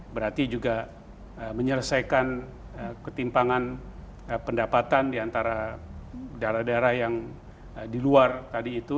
berarti juga menyelesaikan ketimpangan pendapatan di antara daerah daerah yang di luar tadi itu